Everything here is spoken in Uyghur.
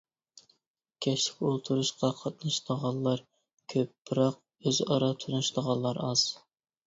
كەچلىك ئولتۇرۇشقا قاتنىشىدىغانلار كۆپ، بىراق ئۆز ئارا تونۇشىدىغانلار ئاز.